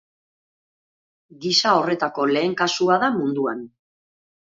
Gisa horretako lehen kasua da munduan.